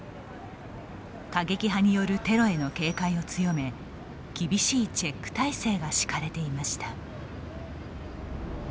過激派によるテロへの警戒を強め厳しいチェック体制が敷かれていました。